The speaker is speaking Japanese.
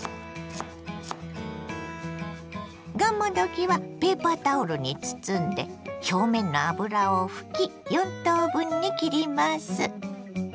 がんもどきはペーパータオルに包んで表面の油を拭き４等分に切ります。